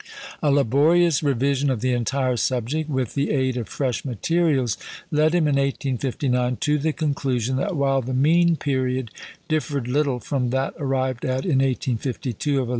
A laborious revision of the entire subject with the aid of fresh materials led him, in 1859, to the conclusion that while the mean period differed little from that arrived at in 1852 of 11.